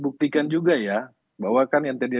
buktikan juga ya bahwa kan yang tadi